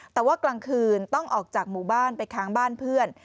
แต่ว่ากลางคืนต้องออกจากหมู่บ้านไปค้างบ้านเพื่อน